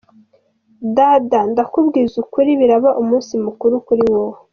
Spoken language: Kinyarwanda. Dada ndakubwizukuri biraba umunsi mukuru kuriwowe.